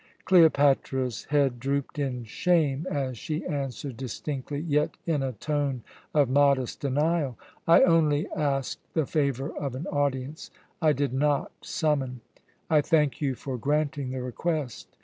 Cleopatra's head drooped in shame as she answered distinctly, yet in a tone of modest denial: "I only asked the favour of an audience. I did not summon. I thank you for granting the request.